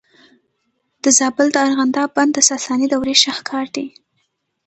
د زابل د ارغنداب بند د ساساني دورې شاهکار دی